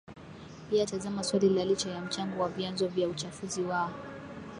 Pia tazama swali la Licha ya mchango wa vyanzo vya uchafuzi wa